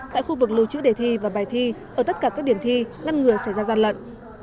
tại khu vực lưu trữ đề thi và bài thi ở tất cả các điểm thi ngăn ngừa xảy ra gian lận